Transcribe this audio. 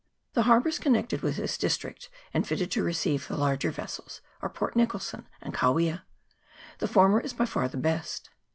The harbours connected with this district, and fitted to receive the larger vessels, are Port Nicholson and Kawia ; the former is by far the best.